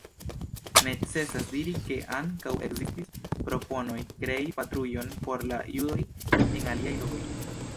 Necesas diri ke ankaŭ ekzistis proponoj krei patrujon por la judoj en aliaj lokoj.